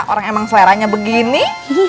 orang emang seleranya begini